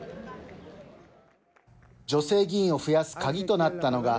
女性議員を増やす鍵となったのが